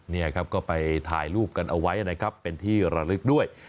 นี่ครับก็ไปถ่ายรูปกันเอาไว้นะครับเป็นที่ระลึกด้วย